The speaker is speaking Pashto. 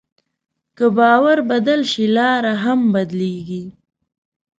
که باور بدل شي، لاره هم بدلېږي.